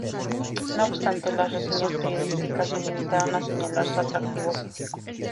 No obstante, las reseñas periodísticas se limitaron a señalar su atractivo físico.